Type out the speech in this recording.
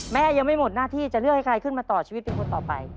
ยังไม่หมดหน้าที่จะเลือกให้ใครขึ้นมาต่อชีวิตเป็นคนต่อไป